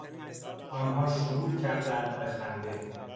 آنها شروع کردند به خنده.